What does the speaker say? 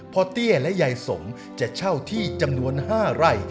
เตี้ยและยายสมจะเช่าที่จำนวน๕ไร่